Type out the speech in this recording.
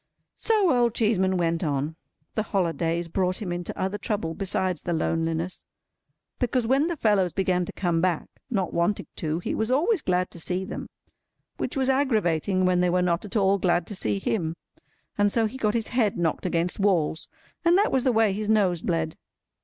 So Old Cheeseman went on. The holidays brought him into other trouble besides the loneliness; because when the fellows began to come back, not wanting to, he was always glad to see them; which was aggravating when they were not at all glad to see him, and so he got his head knocked against walls, and that was the way his nose bled.